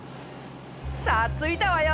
さあ着いたわよ。